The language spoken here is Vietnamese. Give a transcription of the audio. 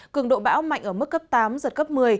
cường độ bão mạnh ở mức cấp tám giật cấp một mươi